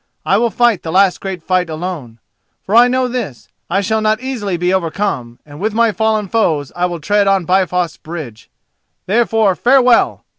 I will fight the last great fight alone; for I know this: I shall not easily be overcome, and with my fallen foes I will tread on Bifrost Bridge. Therefore, farewell!